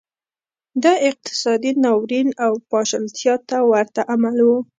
دا اقتصادي ناورین او پاشلتیا ته ورته عمل و